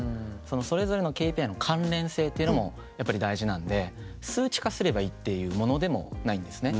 それぞれのＫＰＩの関連性っていうのもやっぱり大事なんで数値化すればいいっていうものでもないんですね。